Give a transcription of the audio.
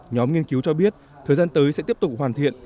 nhóm nghiên cứu cho biết thời gian tới sẽ tiếp tục hoàn thiện